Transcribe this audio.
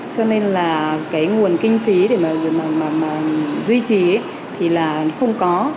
cho nên là cái nguồn kinh phí để mà duy trì thì là không có